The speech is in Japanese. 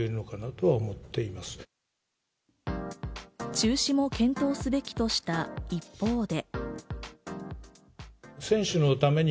中止も検討すべきとした一方で。